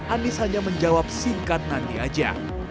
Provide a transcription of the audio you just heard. anies hanya menjawab singkat nanti aja